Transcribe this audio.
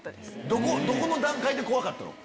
どこの段階で怖かったの？